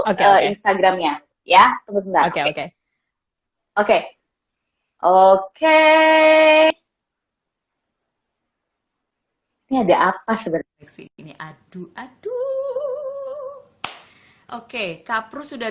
oke instagramnya ya terus mbak oke oke oke ini ada apa sebenarnya sih ini aduh aduh oke kapru sudah